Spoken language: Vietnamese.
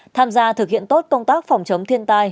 tham gia thực hiện tốt công tác phòng chống thiên tai